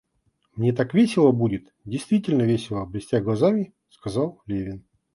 Мне так это весело будет, — действительно весело блестя глазами, сказал Левин.